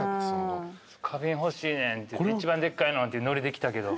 「花瓶欲しいねん一番でっかいの！」ってノリで来たけど。